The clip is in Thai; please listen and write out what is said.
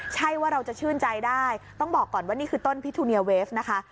ใช่ว่าเราจะชื่นใจได้ต้องบอกก่อนว่านี่คือต้นพิทูเนียเวฟนะคะ